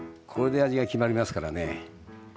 これで味が決まりますからね。